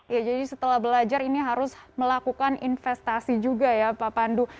ya jadi setelah belajar ini harus melakukan investasi juga ya pak pandu